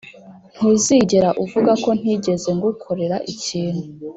ntuzigera uvuga ko ntigeze ngukorera ikintu.